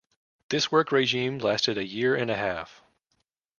This work regime lasted a year and a half.